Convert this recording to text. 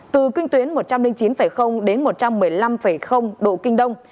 từ kinh tuyến một trăm linh chín đến một trăm một mươi năm độ kinh đông